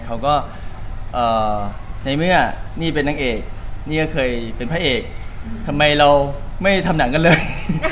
เขาก็ในเมื่อนี่เป็นนางเอกนี่ก็เคยเป็นพระเอกทำไมเราไม่ทำหนังกันเลย